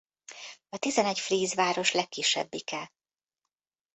A Tizenegy fríz város legkisebbike.